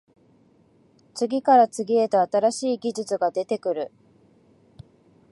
次から次へと新しい技術が出てくる